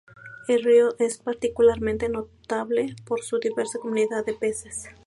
El río es particularmente notable por su diversa comunidad de peces.